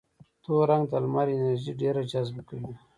تور رنګ د لمر انرژي ډېره جذبه کوي.